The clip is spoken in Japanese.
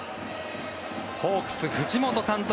ホークス、藤本監督